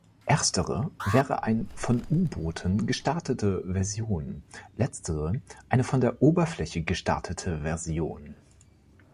Erstere wäre eine von U-Booten gestartete Version, letztere eine von der Oberfläche gestartete Version.